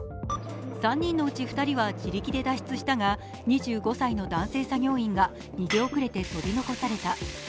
３人のうち２人は地力で脱出したが２５歳の男性作業員が逃げ遅れて取り残された。